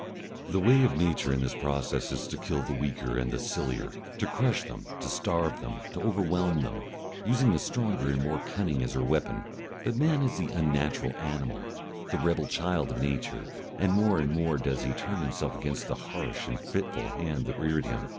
The way of Nature in this process is to kill the weaker and the sillier, to crush them, to starve them, to overwhelm them, using the stronger and more cunning as her weapon. But man is the unnatural animal, the rebel child of Nature, and more and more does he turn himself against the harsh and fitful hand that reared him.